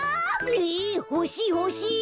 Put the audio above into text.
えほしいほしい！